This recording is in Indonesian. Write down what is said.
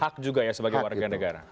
hak juga ya sebagai warga negara